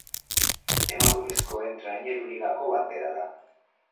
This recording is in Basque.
Emakumezkoen Traineru Ligako Bandera da.